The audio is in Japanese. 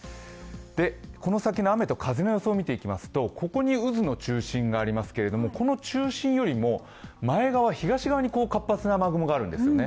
この先の雨と風の予想を見ていきますとここに渦の中心がありますけれども、この中心よりも前側、東側に活発な雨雲があるんですね。